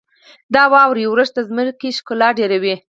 • د واورې اورښت د ځمکې ښکلا ډېروي.